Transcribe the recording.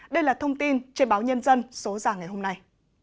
đây là thông tin trên báo nhân dân số giả ngày hôm nay